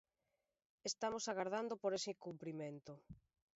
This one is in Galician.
Estamos agardando por ese cumprimento.